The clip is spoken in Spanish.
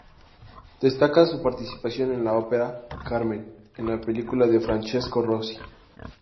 Destaca su participación en la ópera "Carmen" en la película de Francesco Rosi.